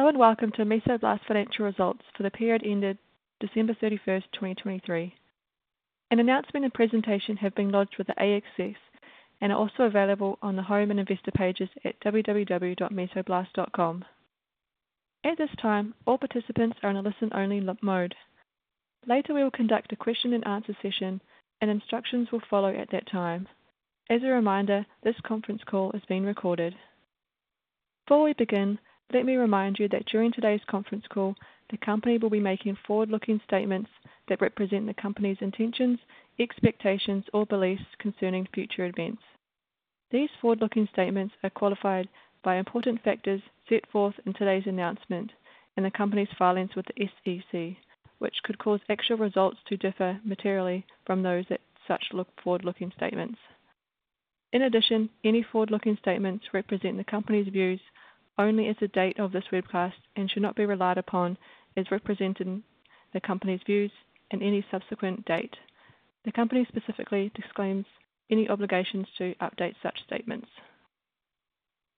Hello, and welcome to Mesoblast Financial Results for the period ended December 31, 2023. An announcement and presentation have been lodged with the ASX and are also available on the Home and Investor pages at www.mesoblast.com. At this time, all participants are on a listen-only mode. Later, we will conduct a question and answer session, and instructions will follow at that time. As a reminder, this conference call is being recorded. Before we begin, let me remind you that during today's conference call, the company will be making forward-looking statements that represent the company's intentions, expectations, or beliefs concerning future events. These forward-looking statements are qualified by important factors set forth in today's announcement in the company's filings with the SEC, which could cause actual results to differ materially from those at such forward-looking statements. In addition, any forward-looking statements represent the company's views only as the date of this webcast and should not be relied upon as representing the company's views in any subsequent date. The company specifically disclaims any obligations to update such statements.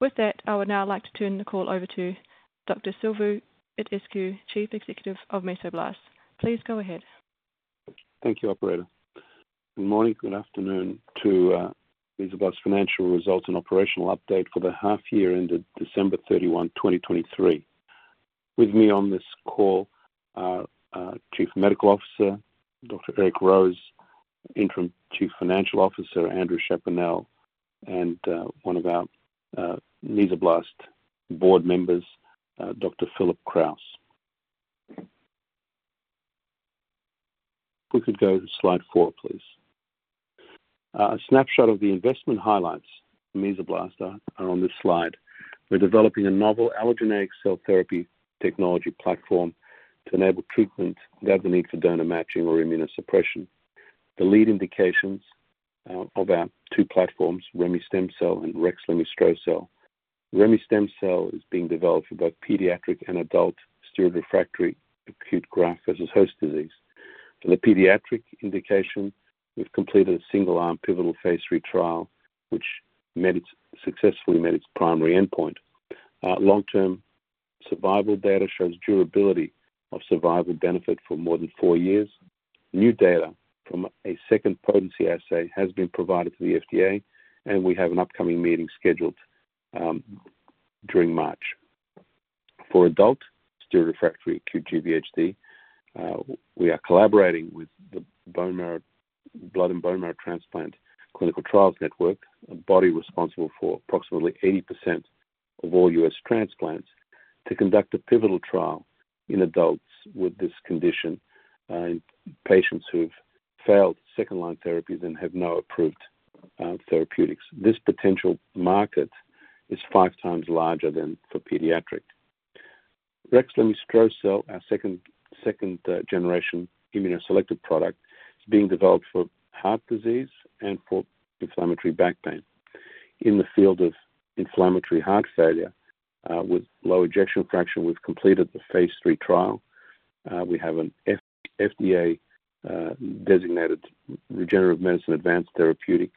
With that, I would now like to turn the call over to Dr. Silviu Itescu, Chief Executive of Mesoblast. Please go ahead. Thank you, operator. Good morning. Good afternoon to Mesoblast financial results and operational update for the half year ended December 31, 2023. With me on this call are Chief Medical Officer, Dr. Eric Rose, Interim Chief Financial Officer, Andrew Chaponnel, and one of our Mesoblast board members, Dr. Philip Krause. We could go to slide 4, please. A snapshot of the investment highlights for Mesoblast are on this slide. We're developing a novel allogeneic cell therapy technology platform to enable treatment without the need for donor matching or immunosuppression. The lead indications of our two platforms, remestemcel-L and rexlemestrocel-L. Remestemcel-L is being developed for both pediatric and adult steroid-refractory acute graft versus host disease. For the pediatric indication, we've completed a single-arm pivotal phase 3 trial, which successfully met its primary endpoint. Long-term survival data shows durability of survival benefit for more than 4 years. New data from a second potency assay has been provided to the FDA, and we have an upcoming meeting scheduled during March. For adult steroid-refractory acute GVHD, we are collaborating with the Blood and Marrow Transplant Clinical Trials Network, a body responsible for approximately 80% of all U.S. transplants, to conduct a pivotal trial in adults with this condition, in patients who've failed second-line therapies and have no approved therapeutics. This potential market is 5 times larger than for pediatric. rexlemestrocel-L, our second-generation immunoselective product, is being developed for heart disease and for inflammatory back pain. In the field of inflammatory heart failure with low ejection fraction, we've completed the phase 3 trial. We have an FDA designated Regenerative Medicine Advanced Therapy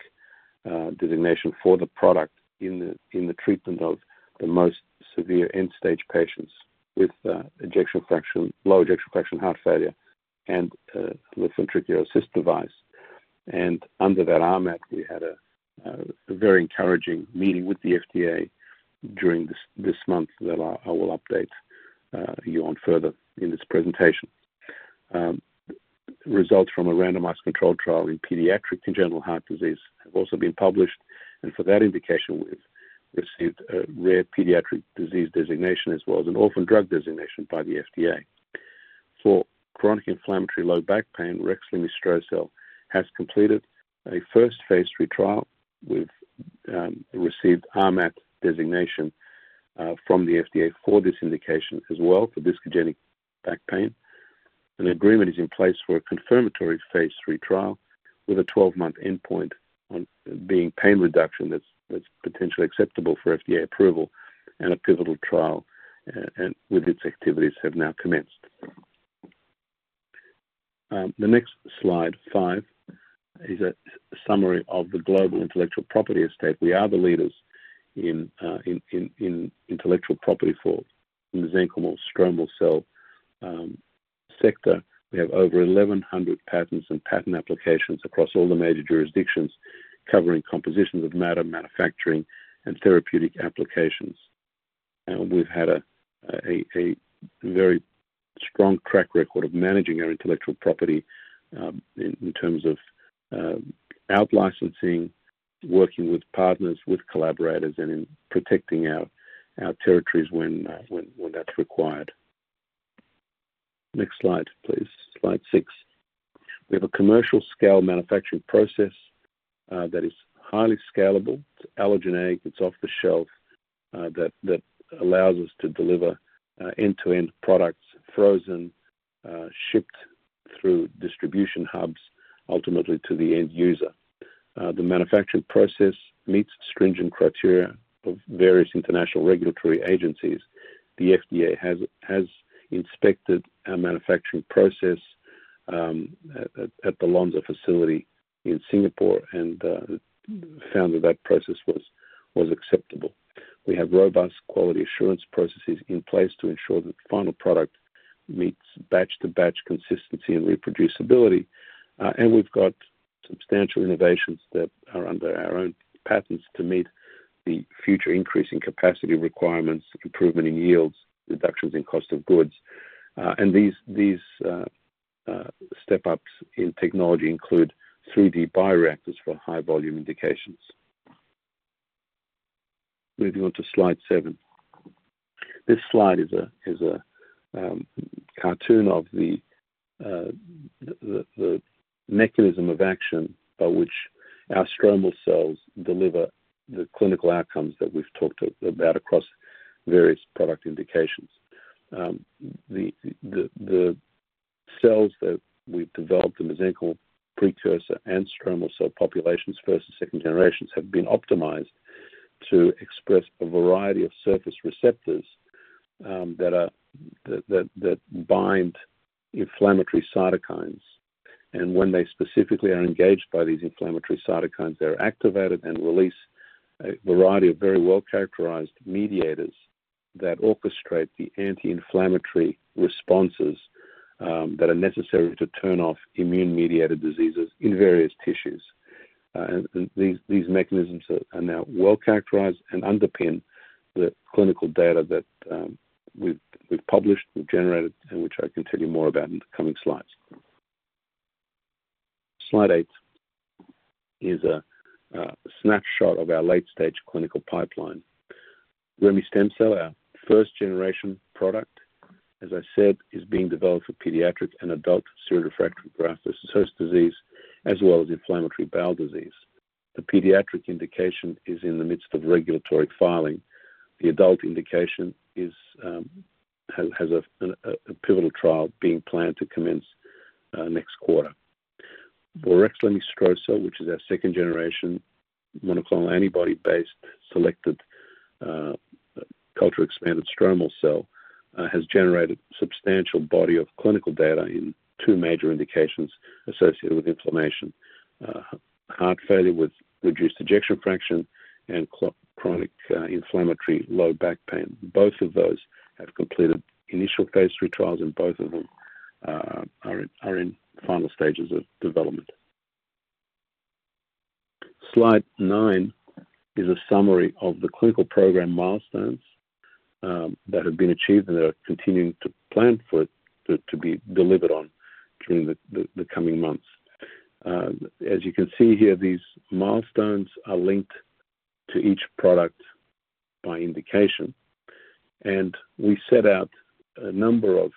designation for the product in the treatment of the most severe end-stage patients with low ejection fraction heart failure and with ventricular assist device. Under that RMAT, we had a very encouraging meeting with the FDA during this month that I will update you on further in this presentation. Results from a randomized controlled trial in pediatric congenital heart disease have also been published, and for that indication, we've received a rare pediatric disease designation as well as an orphan drug designation by the FDA. For chronic inflammatory low back pain, rexlemestrocel-L has completed a first phase III trial. We've received RMAT designation from the FDA for this indication as well for discogenic back pain. An agreement is in place for a confirmatory phase III trial with a 12-month endpoint on being pain reduction that's potentially acceptable for FDA approval and a pivotal trial, and with its activities have now commenced. The next slide 5 is a summary of the global intellectual property estate. We are the leaders in intellectual property for mesenchymal stromal cell sector. We have over 1,100 patents and patent applications across all the major jurisdictions, covering compositions of matter, manufacturing, and therapeutic applications. And we've had a very strong track record of managing our intellectual property in terms of out-licensing, working with partners, with collaborators, and in protecting our territories when that's required. Next slide, please. Slide 6. We have a commercial-scale manufacturing process that is highly scalable. It's allogeneic, it's off-the-shelf, that, that allows us to deliver end-to-end products, frozen, shipped through distribution hubs, ultimately to the end user. The manufacturing process meets stringent criteria of various international regulatory agencies. The FDA has, has inspected our manufacturing process at the Lonza facility in Singapore, and found that that process was, was acceptable. We have robust quality assurance processes in place to ensure that the final product meets batch-to-batch consistency and reproducibility. And we've got substantial innovations that are under our own patents to meet the future increase in capacity requirements, improvement in yields, reductions in cost of goods. And these, these step-ups in technology include 3D bioreactors for high-volume indications. Moving on to Slide seven. This slide is a cartoon of the mechanism of action by which our stromal cells deliver the clinical outcomes that we've talked about across various product indications. The cells that we've developed, the mesenchymal precursor and stromal cell populations, first and second generations, have been optimized to express a variety of surface receptors that bind inflammatory cytokines. And when they specifically are engaged by these inflammatory cytokines, they're activated and release a variety of very well-characterized mediators that orchestrate the anti-inflammatory responses that are necessary to turn off immune-mediated diseases in various tissues. And these mechanisms are now well-characterized and underpin the clinical data that we've published, we've generated, and which I can tell you more about in the coming slides. Slide 8 is a snapshot of our late-stage clinical pipeline. remestemcel-L, our first-generation product, as I said, is being developed for pediatric and adult steroid-refractory graft-versus-host disease, as well as inflammatory bowel disease. The pediatric indication is in the midst of regulatory filing. The adult indication has a pivotal trial being planned to commence next quarter. rexlemestrocel-L, which is our second-generation monoclonal antibody-based, selected, culture expanded stromal cell, has generated substantial body of clinical data in two major indications associated with inflammation. Heart failure with reduced ejection fraction and chronic inflammatory low back pain. Both of those have completed initial phase III trials, and both of them are in final stages of development. Slide 9 is a summary of the clinical program milestones that have been achieved and that are continuing to plan for, to be delivered on during the coming months. As you can see here, these milestones are linked to each product by indication, and we set out a number of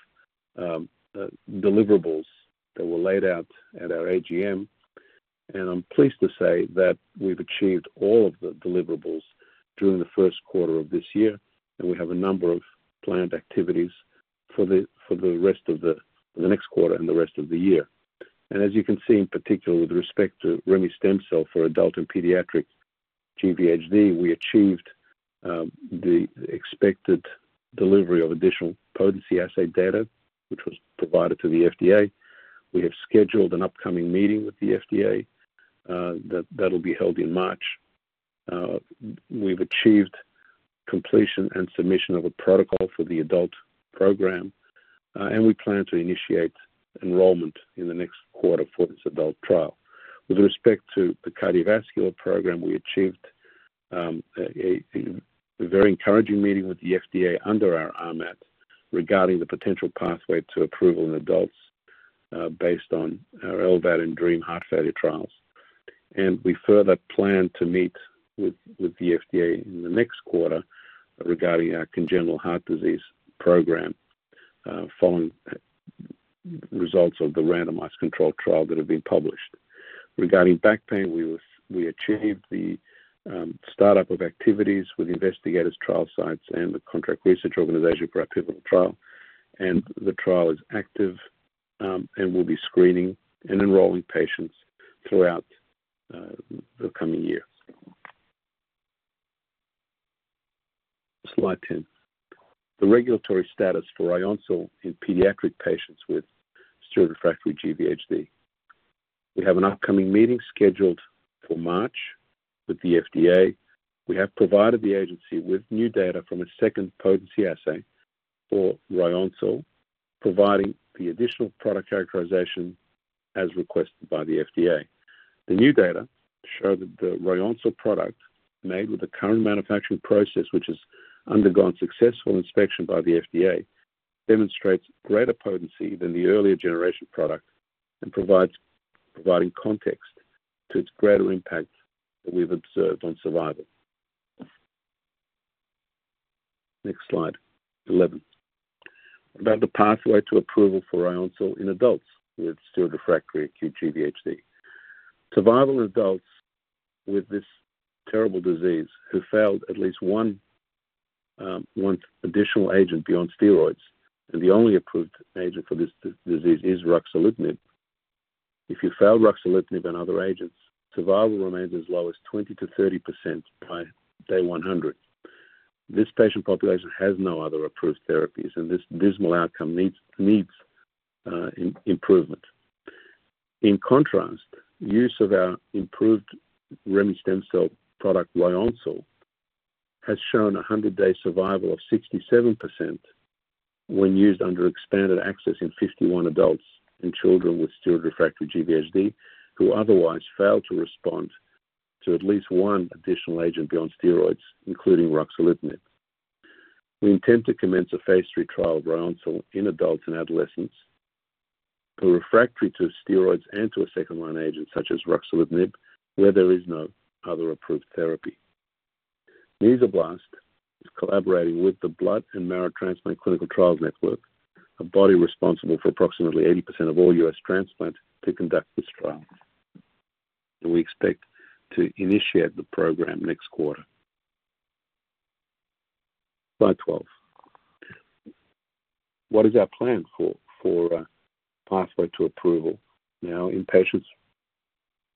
deliverables that were laid out at our AGM. I'm pleased to say that we've achieved all of the deliverables during the first quarter of this year, and we have a number of planned activities for the rest of the next quarter and the rest of the year. As you can see, in particular with respect to remestemcel-L for adult and pediatric GVHD, we achieved the expected delivery of additional potency assay data, which was provided to the FDA. We have scheduled an upcoming meeting with the FDA that that'll be held in March. We've achieved completion and submission of a protocol for the adult program, and we plan to initiate enrollment in the next quarter for this adult trial. With respect to the cardiovascular program, we achieved a very encouraging meeting with the FDA under our RMAT, regarding the potential pathway to approval in adults, based on our LVAD and DREAM heart failure trials. We further plan to meet with the FDA in the next quarter regarding our congenital heart disease program, following results of the randomized controlled trial that have been published. Regarding back pain, we achieved the start-up of activities with investigators, trial sites, and the contract research organization for our pivotal trial. And the trial is active, and we'll be screening and enrolling patients throughout the coming year. Slide 10. The regulatory status for Ryoncil in pediatric patients with steroid-refractory GVHD. We have an upcoming meeting scheduled for March with the FDA. We have provided the agency with new data from a second potency assay for Ryoncil, providing the additional product characterization as requested by the FDA. The new data show that the Ryoncil product, made with the current manufacturing process, which has undergone successful inspection by the FDA, demonstrates greater potency than the earlier generation product and providing context to its greater impact that we've observed on survival. Next slide, 11. About the pathway to approval for Ryoncil in adults with steroid-refractory acute GVHD. Survival in adults with this terrible disease, who failed at least one additional agent beyond steroids, and the only approved agent for this disease is ruxolitinib. If you fail ruxolitinib and other agents, survival remains as low as 20%-30% by day 100. This patient population has no other approved therapies, and this dismal outcome needs improvement. In contrast, use of our improved remestemcel-L product, Ryoncil, has shown a 100-day survival of 67% when used under expanded access in 51 adults and children with steroid-refractory GVHD, who otherwise failed to respond to at least one additional agent beyond steroids, including ruxolitinib. We intend to commence a phase 3 trial of Ryoncil in adults and adolescents who are refractory to steroids and to a second-line agent such as ruxolitinib, where there is no other approved therapy. Mesoblast is collaborating with the Blood and Marrow Transplant Clinical Trials Network, a body responsible for approximately 80% of all U.S. transplants, to conduct this trial, and we expect to initiate the program next quarter. Slide 12. What is our plan for pathway to approval? Now, in patients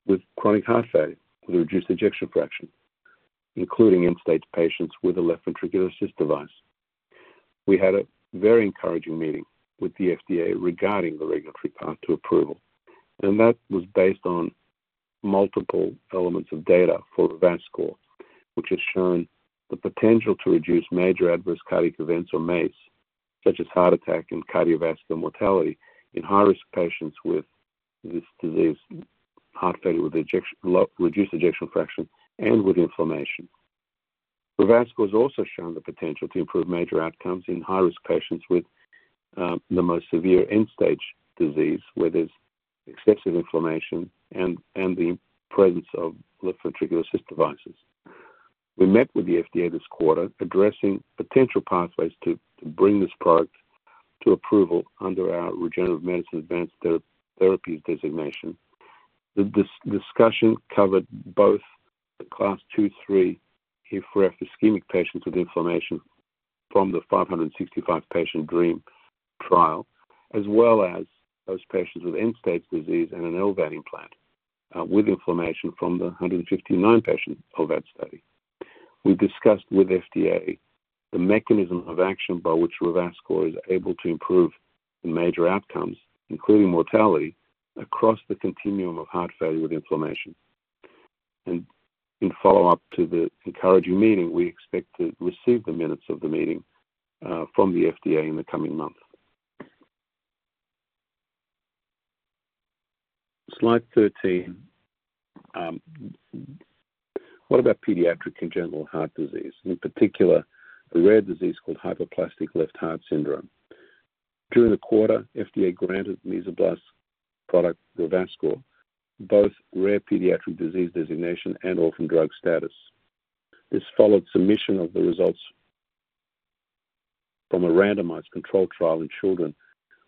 with chronic heart failure, with a reduced ejection fraction, including end-stage patients with a left ventricular assist device. We had a very encouraging meeting with the FDA regarding the regulatory path to approval, and that was based on multiple elements of data for Revascor, which has shown the potential to reduce major adverse cardiac events, or MACE, such as heart attack and cardiovascular mortality in high-risk patients with this disease, heart failure with ejection, low-reduced ejection fraction, and with inflammation. Revascor has also shown the potential to improve major outcomes in high-risk patients with the most severe end-stage disease, where there's excessive inflammation and the presence of left ventricular assist devices. We met with the FDA this quarter, addressing potential pathways to bring this product to approval under our Regenerative Medicine Advanced Therapy designation. The discussion covered both the Class 2-3 HFrEF ischemic patients with inflammation from the 565-patient DREAM trial, as well as those patients with end-stage disease and an LVAD implant with inflammation from the 159-patient LVAD study. We discussed with FDA the mechanism of action by which Revascor is able to improve the major outcomes, including mortality, across the continuum of heart failure with inflammation. In follow-up to the encouraging meeting, we expect to receive the minutes of the meeting from the FDA in the coming months. Slide 13. What about pediatric congenital heart disease, and in particular, a rare disease called Hypoplastic Left Heart Syndrome? During the quarter, FDA granted Mesoblast's product, Revascor, both rare pediatric disease designation and orphan drug status. This followed submission of the results from a randomized controlled trial in children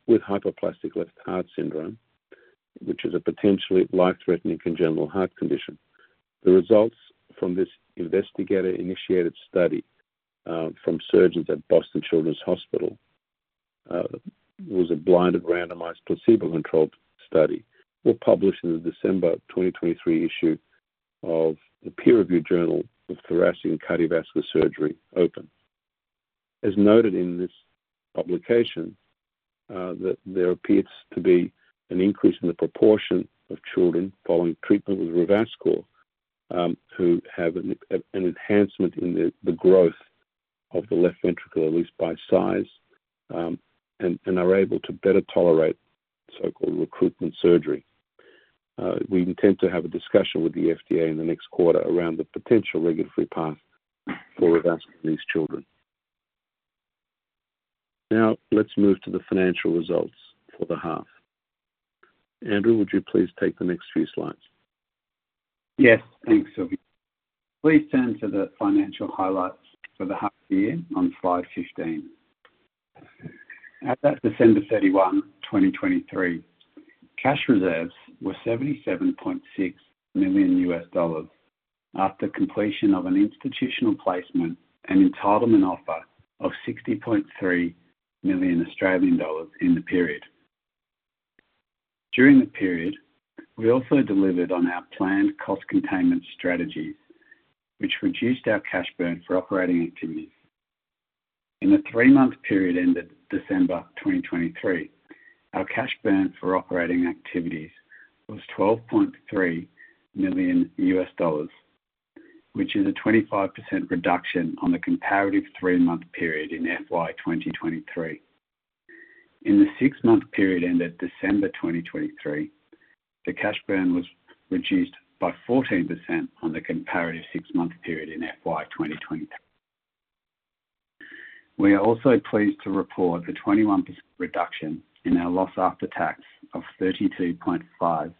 with Hypoplastic Left Heart Syndrome, which is a potentially life-threatening congenital heart condition. The results from this investigator-initiated study from surgeons at Boston Children's Hospital was a blinded, randomized, placebo-controlled study, were published in the December 2023 issue of the peer-reviewed Journal of Thoracic and Cardiovascular Surgery Open. As noted in this publication, that there appears to be an increase in the proportion of children following treatment with Revascor, who have an enhancement in the growth of the left ventricle, at least by size, and are able to better tolerate so-called recruitment surgery. We intend to have a discussion with the FDA in the next quarter around the potential regulatory path for Revascor in these children. Now, let's move to the financial results for the half. Andrew, would you please take the next few slides? Yes. Thanks, Silviu. Please turn to the financial highlights for the half year on slide 15. At December 31, 2023, cash reserves were $77.6 million, after completion of an institutional placement and entitlement offer of 60.3 million Australian dollars in the period. During the period, we also delivered on our planned cost containment strategies, which reduced our cash burn for operating activities. In the three-month period ended December 2023, our cash burn for operating activities was $12.3 million, which is a 25% reduction on the comparative three-month period in FY 2023. In the six-month period ended December 2023, the cash burn was reduced by 14% on the comparative six-month period in FY 2023. We are also pleased to report a 21% reduction in our loss after tax of $32.5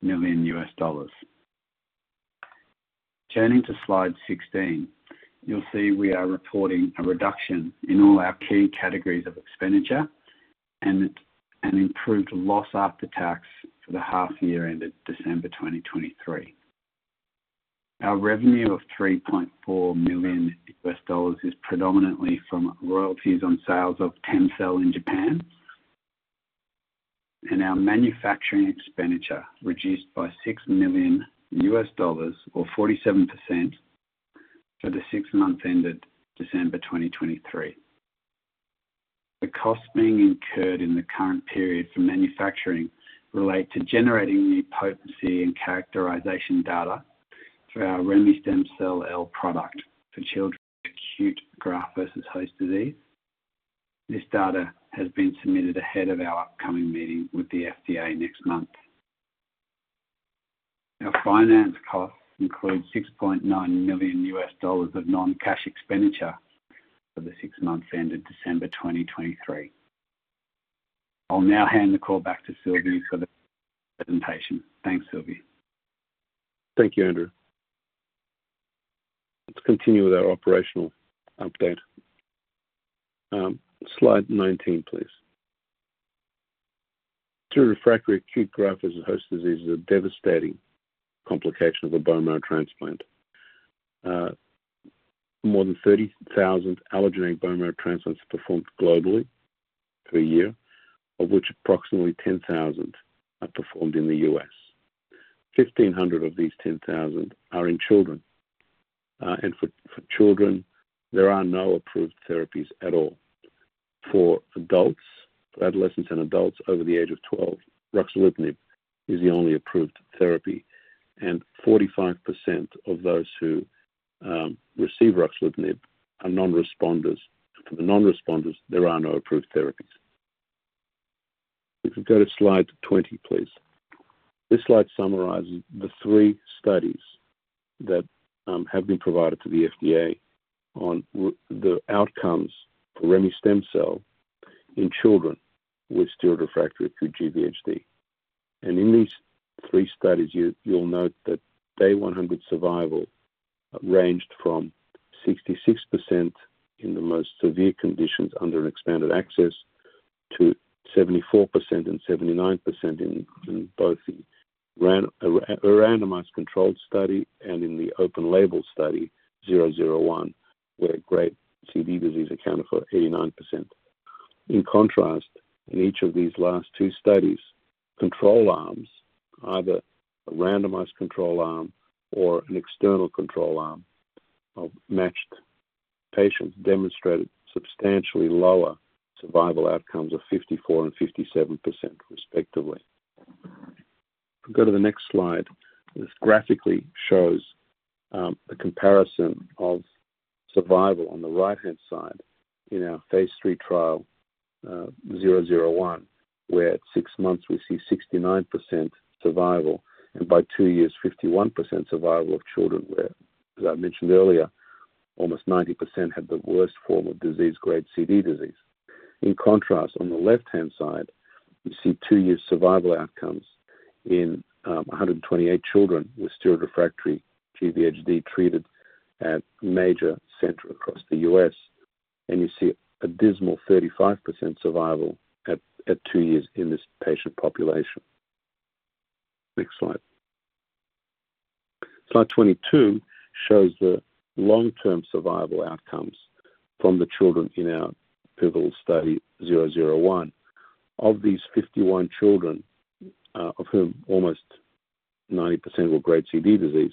million. Turning to slide 16, you'll see we are reporting a reduction in all our key categories of expenditure and improved loss after tax for the half year ended December 2023. Our revenue of $3.4 million is predominantly from royalties on sales of TEMCELL in Japan. And our manufacturing expenditure reduced by $6 million or 47% for the six months ended December 2023. The costs being incurred in the current period for manufacturing relate to generating new potency and characterization data for our remestemcel-L product for children with acute graft versus host disease. This data has been submitted ahead of our upcoming meeting with the FDA next month. Our finance costs include $6.9 million of non-cash expenditure for the six months ended December 2023. I'll now hand the call back to Silviu for the presentation. Thanks, Silviu. Thank you, Andrew. Let's continue with our operational update. Slide nineteen, please. Steroid-refractory acute graft versus host disease is a devastating complication of a bone marrow transplant. More than 30,000 allogeneic bone marrow transplants are performed globally per year, of which approximately 10,000 are performed in the US. 1,500 of these 10,000 are in children. And for children, there are no approved therapies at all. For adults, for adolescents and adults over the age of 12, ruxolitinib is the only approved therapy, and 45% of those who receive ruxolitinib are non-responders. For the non-responders, there are no approved therapies. If we go to slide 20, please. This slide summarizes the three studies that have been provided to the FDA on the outcomes for remestemcel-L in children with steroid-refractory acute GVHD. In these three studies, you'll note that day 100 survival ranged from 66% in the most severe conditions under expanded access, to 74% and 79% in both a randomized controlled study and in the open-label study 001, where grade C/D disease accounted for 89%. In contrast, in each of these last two studies, control arms, either a randomized control arm or an external control arm of matched patients, demonstrated substantially lower survival outcomes of 54% and 57%, respectively. If we go to the next slide, this graphically shows a comparison of survival on the right-hand side in our phase 3 trial, 001, where at 6 months we see 69% survival, and by 2 years, 51% survival of children, where, as I mentioned earlier, almost 90% had the worst form of disease, grade C/D disease. In contrast, on the left-hand side, you see 2-year survival outcomes in 128 children with steroid-refractory GVHD, treated at major centers across the U.S., and you see a dismal 35% survival at 2 years in this patient population. Next slide. Slide 22 shows the long-term survival outcomes from the children in our pivotal study, 001. Of these 51 children, of whom almost 90% were grade C/D disease,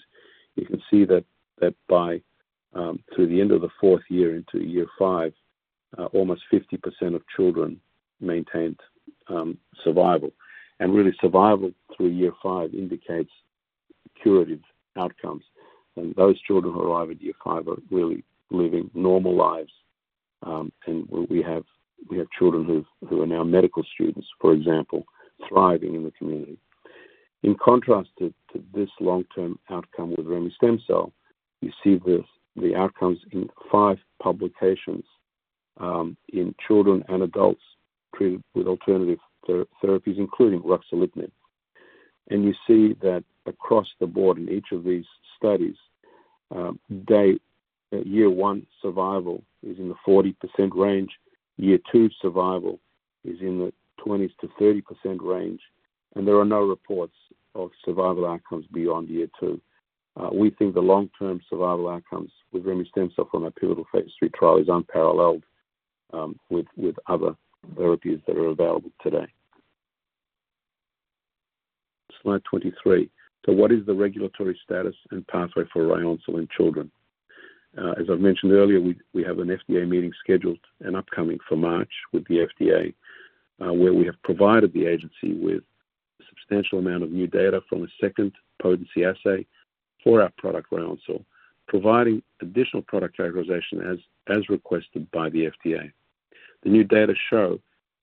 you can see that by through the end of the fourth year into year 5, almost 50% of children maintained survival. And really, survival through year 5 indicates curative outcomes. And those children who arrive at year 5 are really living normal lives. And we have children who are now medical students, for example, thriving in the community. In contrast to this long-term outcome with remestemcel-L, you see the outcomes in 5 publications in children and adults treated with alternative therapies, including ruxolitinib. And you see that across the board in each of these studies, year 1 survival is in the 40% range. Year two survival is in the 20%-30% range, and there are no reports of survival outcomes beyond year two. We think the long-term survival outcomes with remestemcel-L from our pivotal phase 3 trial is unparalleled with other therapies that are available today. Slide 23. So what is the regulatory status and pathway for Ryoncil in children? As I've mentioned earlier, we have an FDA meeting scheduled and upcoming for March with the FDA, where we have provided the agency with a substantial amount of new data from a second potency assay for our product, Ryoncil, providing additional product characterization as requested by the FDA. The new data show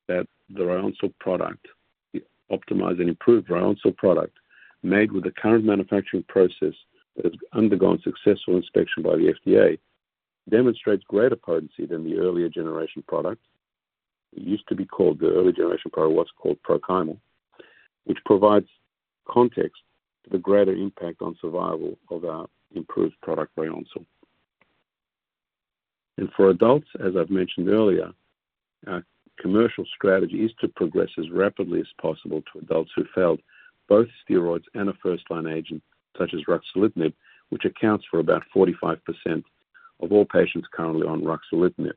that the Ryoncil product, the optimized and improved Ryoncil product, made with the current manufacturing process that has undergone successful inspection by the FDA, demonstrates greater potency than the earlier generation product. It used to be called, the earlier generation product was called Prochymal, which provides context to the greater impact on survival of our improved product, Ryoncil... For adults, as I've mentioned earlier, our commercial strategy is to progress as rapidly as possible to adults who failed both steroids and a first-line agent, such as ruxolitinib, which accounts for about 45% of all patients currently on ruxolitinib.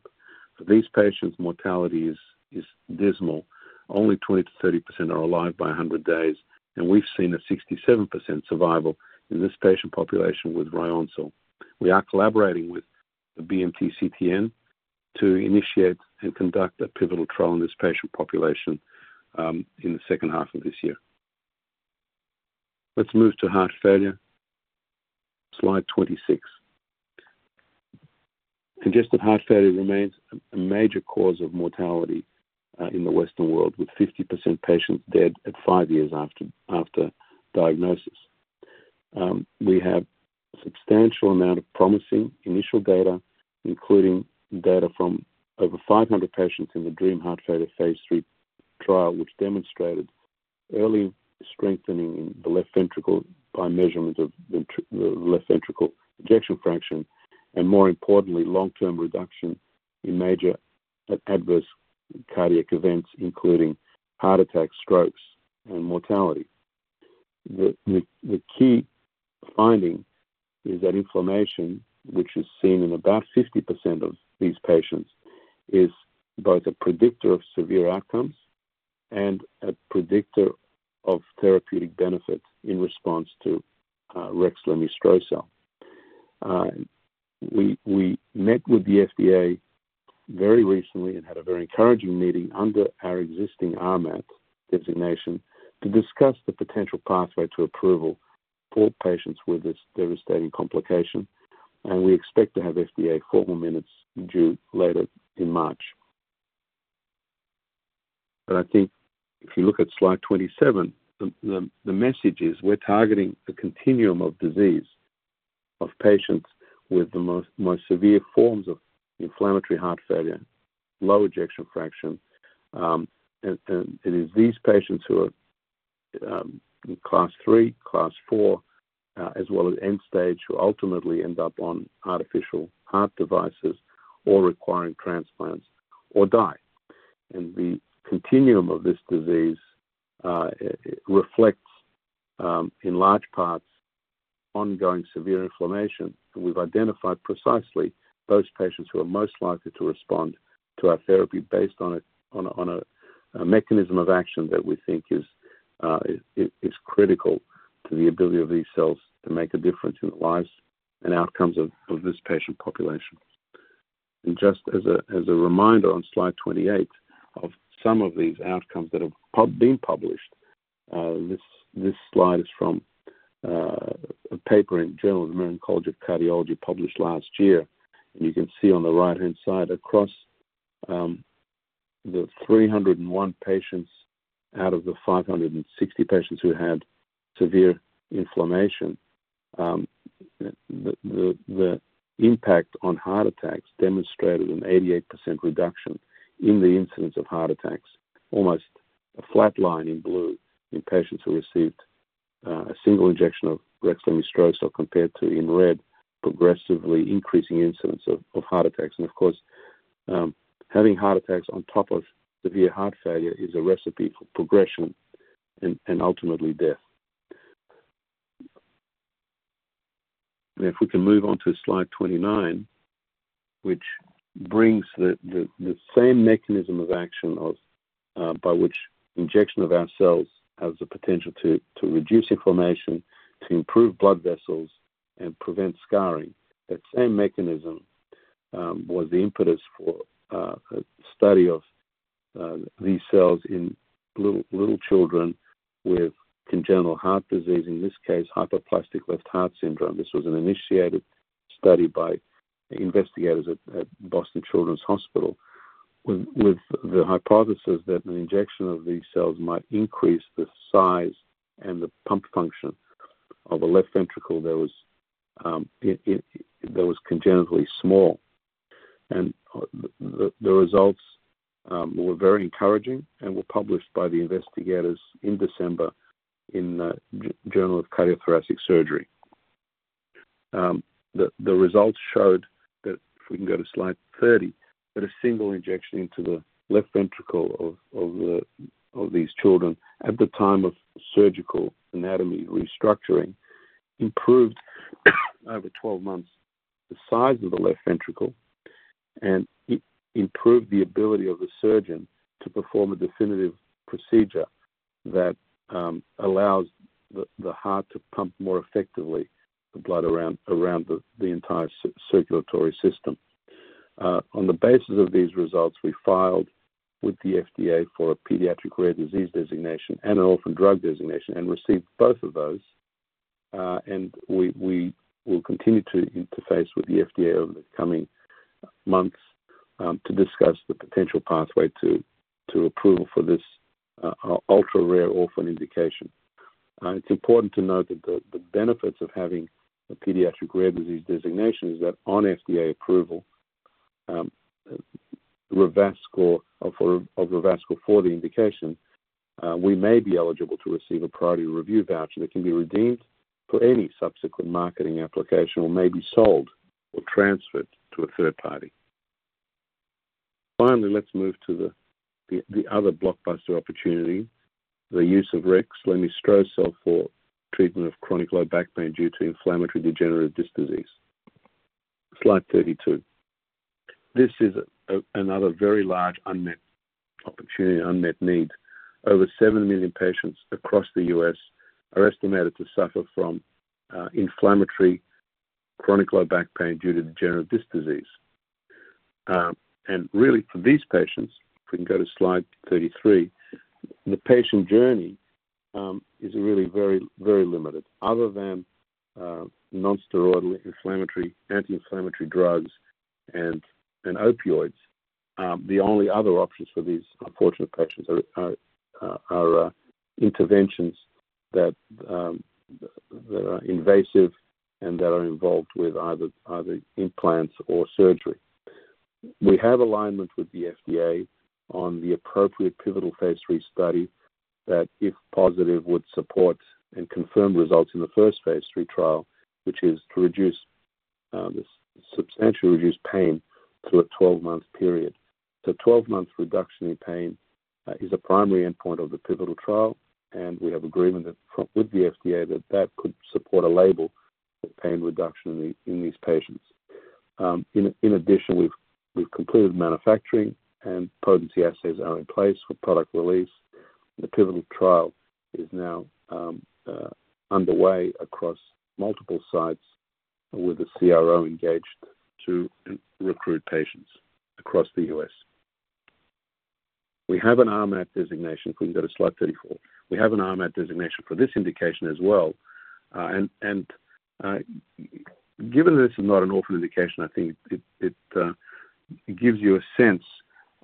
For these patients, mortality is dismal. Only 20%-30% are alive by 100 days, and we've seen a 67% survival in this patient population with Ryoncil. We are collaborating with the BMT CTN to initiate and conduct a pivotal trial in this patient population in the second half of this year. Let's move to heart failure. Slide 26. Congestive heart failure remains a major cause of mortality in the Western world, with 50% patients dead at 5 years after diagnosis. We have a substantial amount of promising initial data, including data from over 500 patients in the DREAM Heart Failure phase 3 trial, which demonstrated early strengthening in the left ventricle by measurement of left ventricle ejection fraction, and more importantly, long-term reduction in major adverse cardiac events, including heart attacks, strokes, and mortality. The key finding is that inflammation, which is seen in about 50% of these patients, is both a predictor of severe outcomes and a predictor of therapeutic benefit in response to rexlemestrocel-L. We met with the FDA very recently and had a very encouraging meeting under our existing RMAT designation to discuss the potential pathway to approval for patients with this devastating complication, and we expect to have FDA formal minutes due later in March. But I think if you look at slide 27, the message is we're targeting a continuum of disease of patients with the most severe forms of inflammatory heart failure, low ejection fraction. And it is these patients who are class three, class four, as well as end-stage, who ultimately end up on artificial heart devices or requiring transplants or die. The continuum of this disease reflects, in large parts, ongoing severe inflammation. We've identified precisely those patients who are most likely to respond to our therapy based on a mechanism of action that we think is critical to the ability of these cells to make a difference in the lives and outcomes of this patient population. And just as a reminder on slide 28, of some of these outcomes that have been published, this slide is from a paper in Journal of American College of Cardiology, published last year. And you can see on the right-hand side across the 301 patients out of the 560 patients who had severe inflammation. The impact on heart attacks demonstrated an 88% reduction in the incidence of heart attacks, almost a flat line in blue in patients who received a single injection of rexlemestrocel-L, compared to in red, progressively increasing incidence of heart attacks. And of course, having heart attacks on top of severe heart failure is a recipe for progression and ultimately death. And if we can move on to slide 29, which brings the same mechanism of action by which injection of our cells has the potential to reduce inflammation, to improve blood vessels and prevent scarring. That same mechanism was the impetus for a study of these cells in little children with congenital heart disease, in this case, hypoplastic left heart syndrome. This was an initiated study by investigators at Boston Children's Hospital, with the hypothesis that an injection of these cells might increase the size and the pump function of a left ventricle that was, that was congenitally small. The results were very encouraging and were published by the investigators in December in the Journal of Cardiothoracic Surgery. The results showed that, if we can go to slide 30, that a single injection into the left ventricle of these children at the time of surgical anatomy restructuring, improved over 12 months, the size of the left ventricle, and it improved the ability of the surgeon to perform a definitive procedure that allows the heart to pump more effectively the blood around the entire circulatory system. On the basis of these results, we filed with the FDA for a pediatric rare disease designation and an orphan drug designation and received both of those. And we will continue to interface with the FDA over the coming months, to discuss the potential pathway to approval for this ultra-rare orphan indication. It's important to note that the benefits of having a pediatric rare disease designation is that on FDA approval, the Revascor for the indication, we may be eligible to receive a priority review voucher that can be redeemed for any subsequent marketing application, or may be sold or transferred to a third party. Finally, let's move to the other blockbuster opportunity, the use of rexlemestrocel-L for treatment of chronic low back pain due to inflammatory degenerative disc disease. Slide 32. This is another very large unmet opportunity, unmet need. Over 7 million patients across the U.S. are estimated to suffer from inflammatory chronic low back pain due to degenerative disc disease. And really, for these patients, if we can go to slide 33, the patient journey is really very, very limited. Other than non-steroidal anti-inflammatory drugs and opioids, the only other options for these unfortunate patients are interventions that are invasive and that are involved with either implants or surgery. We have alignment with the FDA on the appropriate pivotal phase 3 study, that, if positive, would support and confirm results in the first phase 3 trial, which is to substantially reduce pain through a 12-month period. So 12 months reduction in pain is a primary endpoint of the pivotal trial, and we have agreement that, with the FDA, that that could support a label for pain reduction in these patients. In addition, we've completed manufacturing and potency assays are in place for product release. The pivotal trial is now underway across multiple sites, with the CRO engaged to recruit patients across the U.S. We have an RMAT designation. Can we go to slide 34? We have an RMAT designation for this indication as well. Given that this is not an orphan indication, I think it gives you a sense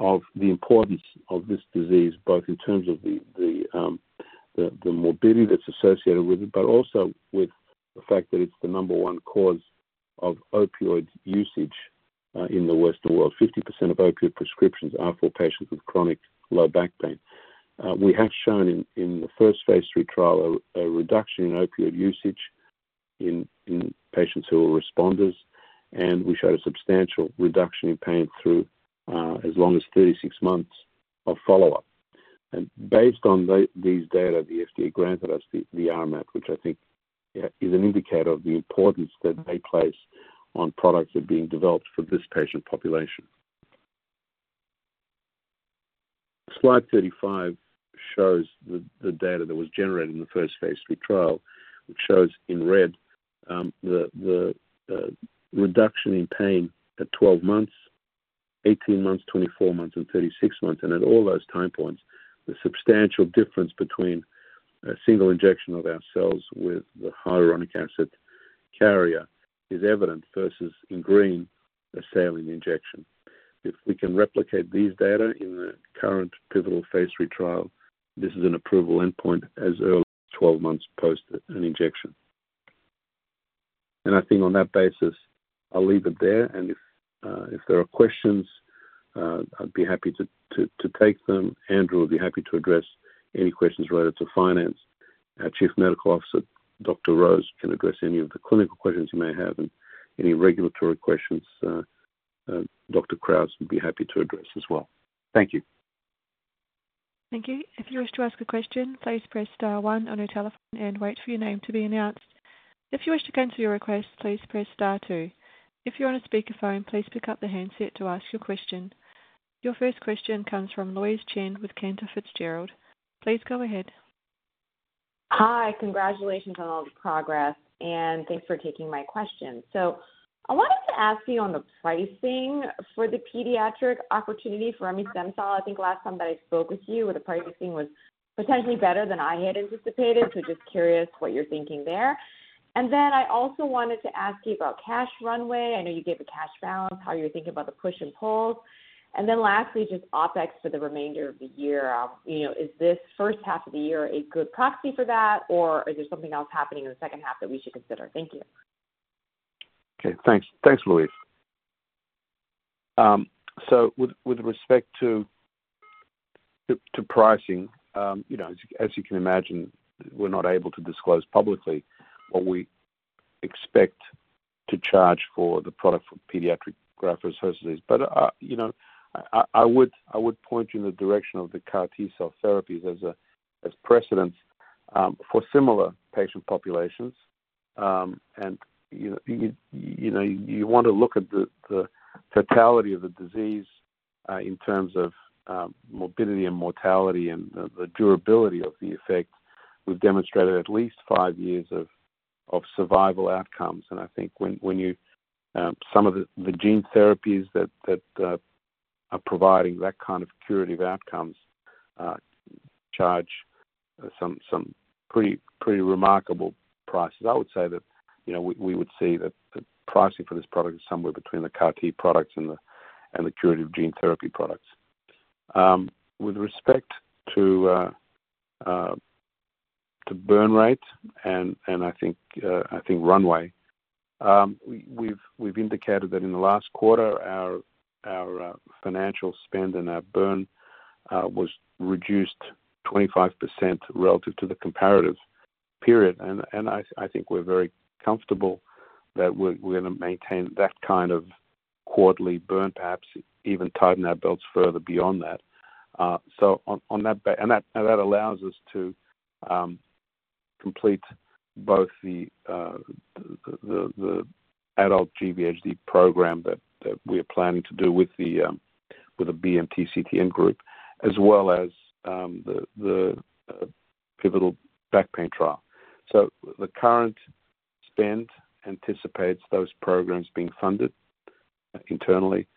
of the importance of this disease, both in terms of the morbidity that's associated with it, but also with the fact that it's the number one cause of opioid usage in the Western world. 50% of opioid prescriptions are for patients with chronic low back pain. We have shown in the first phase 3 trial, a reduction in opioid usage in patients who are responders, and we showed a substantial reduction in pain through as long as 36 months of follow-up. Based on these data, the FDA granted us the RMAT, which I think is an indicator of the importance that they place on products that are being developed for this patient population. Slide 35 shows the data that was generated in the first phase 3 trial, which shows in red the reduction in pain at 12 months, 18 months, 24 months, and 36 months. At all those time points, the substantial difference between a single injection of our cells with the hyaluronic acid carrier is evident, versus in green, a saline injection. If we can replicate these data in the current pivotal phase 3 trial, this is an approval endpoint as early as 12 months post an injection. I think on that basis, I'll leave it there, and if there are questions, I'd be happy to take them. Andrew will be happy to address any questions related to finance. Our Chief Medical Officer, Dr. Rose can address any of the clinical questions you may have, and any regulatory questions. Dr. Krause would be happy to address as well. Thank you. Thank you. If you wish to ask a question, please press star one on your telephone and wait for your name to be announced. If you wish to cancel your request, please press star two. If you're on a speakerphone, please pick up the handset to ask your question. Your first question comes from Louise Chen with Cantor Fitzgerald. Please go ahead. Hi, congratulations on all the progress, and thanks for taking my question. I wanted to ask you on the pricing for the pediatric opportunity for remestemcel-L. I think last time that I spoke with you, the pricing was potentially better than I had anticipated. Just curious what you're thinking there. Then I also wanted to ask you about cash runway. I know you gave the cash balance, how you're thinking about the push and pulls. Then lastly, just OpEx for the remainder of the year. You know, is this first half of the year a good proxy for that, or is there something else happening in the second half that we should consider? Thank you. Okay. Thanks. Thanks, Louise. So with respect to pricing, you know, as you can imagine, we're not able to disclose publicly what we expect to charge for the product for pediatric GVHD. But, you know, I would point you in the direction of the CAR T-cell therapies as a precedent for similar patient populations. And, you know, you know, you want to look at the totality of the disease in terms of morbidity and mortality and the durability of the effect. We've demonstrated at least five years of survival outcomes, and I think when you. Some of the gene therapies that are providing that kind of curative outcomes charge some pretty remarkable prices. I would say that, you know, we would see that the pricing for this product is somewhere between the CAR T products and the curative gene therapy products. With respect to the burn rate and I think runway. We've indicated that in the last quarter, our financial spend and our burn was reduced 25% relative to the comparative period. I think we're very comfortable that we're gonna maintain that kind of quarterly burn, perhaps even tighten our belts further beyond that. So on that basis, that allows us to complete both the adult GVHD program that we are planning to do with the BMT CTN group, as well as the pivotal back pain trial. So the current spend anticipates those programs being funded internally.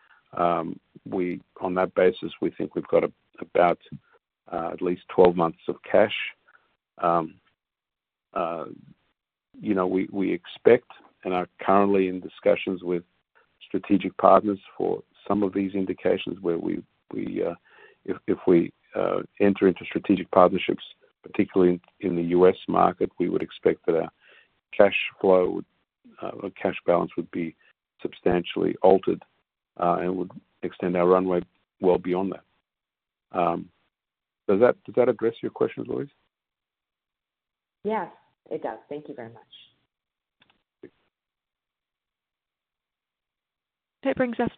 We, on that basis, we think we've got about at least 12 months of cash. You know, we expect and are currently in discussions with strategic partners for some of these indications where we if we enter into strategic partnerships, particularly in the U.S. market, we would expect that our cash flow or cash balance would be substantially altered and would extend our runway well beyond that. Does that address your question, Louise? Yes, it does. Thank you very much. Thank you. That brings us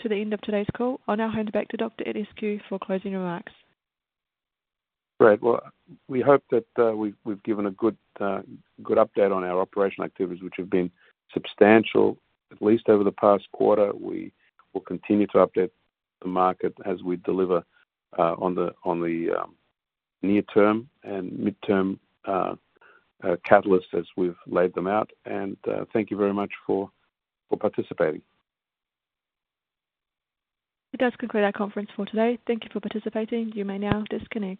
to the end of today's call. I'll now hand it back to Dr. Itescu for closing remarks. Great. Well, we hope that we've given a good update on our operational activities, which have been substantial, at least over the past quarter. We will continue to update the market as we deliver on the near term and midterm catalysts as we've laid them out. And thank you very much for participating. That does conclude our conference for today. Thank you for participating. You may now disconnect.